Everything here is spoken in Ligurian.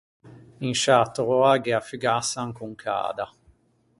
In sciâ töa gh’é a fugassa ancon cada.